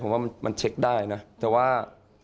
ผมว่ามันเช็คได้นะแต่ว่า